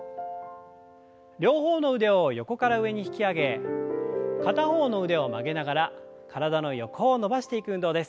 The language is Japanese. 両方の腕を横から上に引き上げ片方の腕を曲げながら体の横を伸ばしていく運動です。